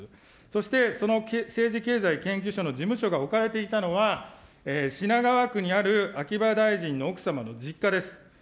そして、その政治経済研究所の事務所が置かれていたのは、品川区にある秋葉大臣の奥様の実家です。